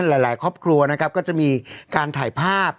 หลายครอบครัวนะครับก็จะมีการถ่ายภาพ